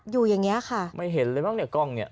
อยู่อย่างเงี้ยค่ะไม่เห็นเลยมั้งเนี่ยกล้องเนี่ย